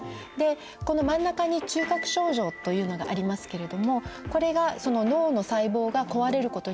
この真ん中に中核症状というのがありますけれどもこれが脳の細胞が壊れることによって起こる症状。